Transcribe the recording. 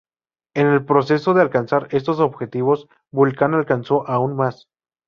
En el proceso de alcanzar estos objetivos, Vulcan alcanzó aún más.